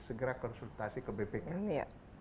segera konsultasi ke ppk